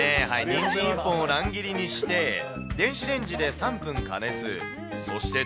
にんじん１本を乱切りにして、電子レンジで３分加熱。